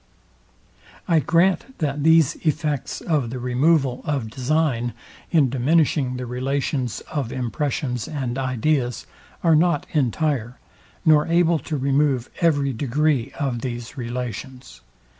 I grant, that these effects of the removal of design, in diminishing the relations of impressions and ideas, are not entire, nor able to remove every degree of these relations.